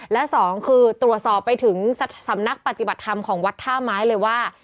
และสองคือตรวจสอบไปถึงสำนักปฏิบัติธรรมของวัดท่าไม้เลยว่า